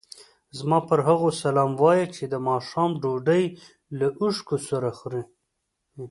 زما پر هغو سلام وایه چې د ماښام ډوډۍ له اوښکو سره خوري.